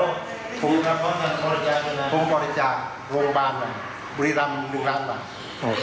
ผมบริจาคโรงพยาบาลบุรีรำ๑ล้านบาท